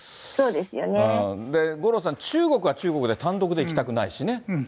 五郎さん、中国は中国で、単独でいきたくないしね。